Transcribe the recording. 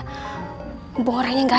hubungan orangnya gak ada